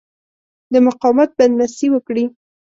د مقاومت بدمستي وکړي.